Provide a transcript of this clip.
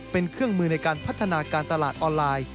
เป็นเครื่องมือในการพัฒนาการตลาดออนไลน์